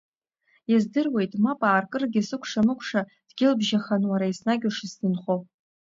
Издыруеит, мап ааркыргьы сыкәша-мыкәша, дгьылбжьахан уара еснагь ушысзынхо.